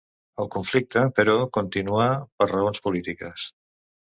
El conflicte, però, continuà per raons polítiques.